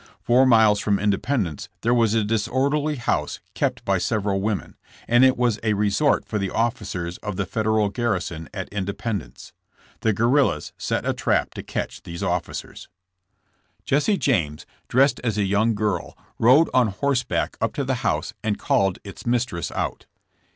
Four miles from Independence there was a disorderly house kept by several women, and it was a resort for the officers of the Federal garrison at Independence. The guerrillas set a trap to catch these officers. JESSB JAMES AS A GUKRRII.I*A. 89 Jesse James, dressed as a young girl, rode on horseback up to this house and called its mistress out.